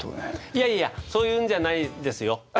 いやいやそういうんじゃないですよ。